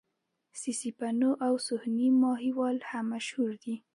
سسي پنو او سوهني ماهيوال هم مشهور دي.